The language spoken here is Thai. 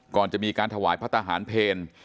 ก่อนจะมีการถวายพระทหารเพล